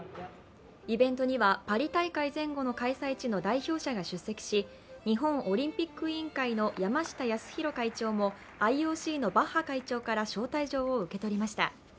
イベントにはパリ大会前後の開催地の代表者が出席し、日本オリンピック委員会の山下泰裕会長もＩＯＣのバッハ会長から招待状を受け取りました。